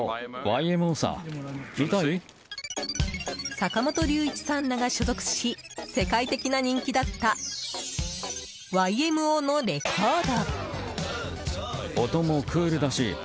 坂本龍一さんらが所属し世界的な人気だったＹＭＯのレコード。